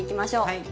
はい。